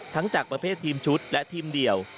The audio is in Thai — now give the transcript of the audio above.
จากประเภททีมชุดและทีมเดี่ยว